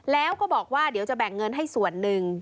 แล้วก็บอกว่าเดี๋ยวจะแบ่งเงินให้ส่วนหนึ่ง